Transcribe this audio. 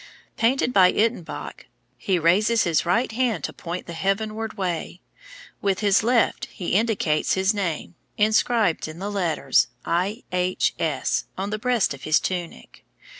Painted by Ittenbach, he raises his right hand to point the heavenward way, while with his left he indicates his name inscribed in the letters I. H. S. on the breast of his tunic.